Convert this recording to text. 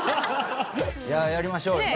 やりましょうよ